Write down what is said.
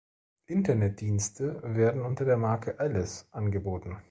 Internetdienste werden unter der Marke "Alice" angeboten.